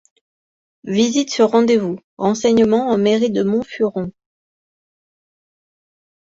Visite sur rendez-vous, renseignements en mairie de Montfuron.